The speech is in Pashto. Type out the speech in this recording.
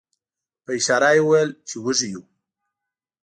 په اشاره یې وویل چې وږي یو.